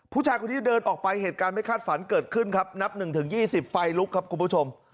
ผู้ชายคนนี้เดินออกไปเหตุการณ์ไม่คาดฝันเกิดขึ้นครับนับ๑๒๐ไฟลุกครับคุณผู้ชม